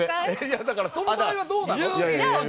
いやだからその場合はどうなの？